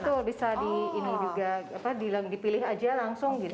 betul betul bisa di ini juga dipilih aja langsung gitu ya